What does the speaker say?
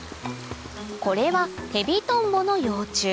これはヘビトンボの幼虫